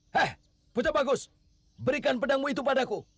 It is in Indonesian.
hei pucat bagus berikan pedangmu itu padaku